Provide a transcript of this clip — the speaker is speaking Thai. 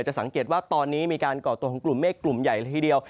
สังเกตว่าตอนนี้มีการก่อตัวของกลุ่มเมฆกลุ่มใหญ่ละทีเดียว